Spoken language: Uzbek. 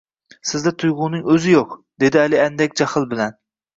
Sizda tuyg`uning o`zi yo`q, dedi Ali andak jahl bilan